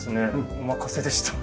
お任せでした。